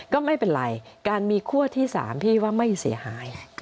ก็ไม่เป็นไรการมีขั้วที่๓พี่ว่าไม่เสียหาย